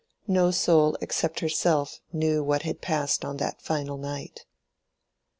No soul except herself knew what had passed on that final night.